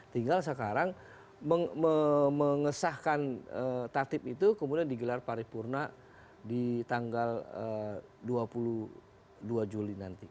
tinggal sekarang mengesahkan tatip itu kemudian digelar paripurna di tanggal dua puluh dua juli nanti